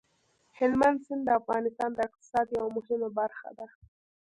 هلمند سیند د افغانستان د اقتصاد یوه مهمه برخه ده.